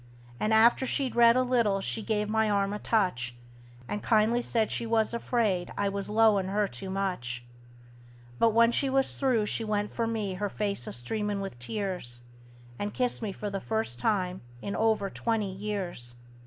And after she'd read a little she give my arm a touch, And kindly said she was afraid I was 'lowin' her too much; But when she was through she went for me, her face a streamin' with tears, And kissed me for the first time in over twenty years!